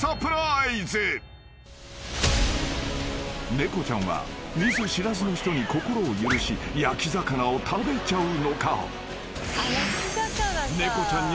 ［猫ちゃんは見ず知らずの人に心を許し焼き魚を食べちゃうのか？］